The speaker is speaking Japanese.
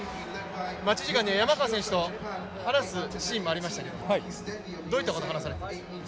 待ち時間には山川選手と話すシーンもありましたけどどういうこと話されました？